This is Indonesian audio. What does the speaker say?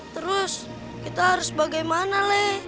terus kita harus bagaimana leh